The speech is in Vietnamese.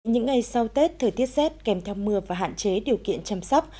những ngày sau tết thời tiết rét kèm theo mưa và hạn chế điều kiện chăm sóc